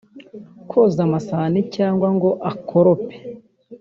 koza amasahane cyangwa ngo akorope